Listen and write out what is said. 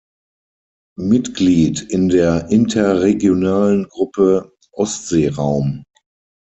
Mitglied in der Interregionalen Gruppe "Ostseeraum".